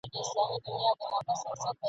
ستا په قسمت کښلې ترانه یمه شرنګېږمه..